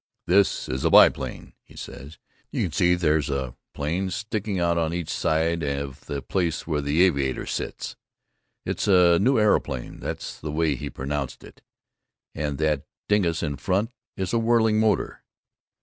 "This is a biplane," he says, "you can see there's a plane sticking out on each side of the place where the aviator sits, it's a new areoplane (that's the way he pronounced it), and that dingus in front is a whirling motor."